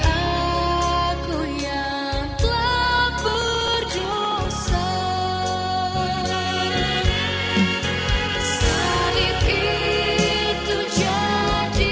aku mau terima dengan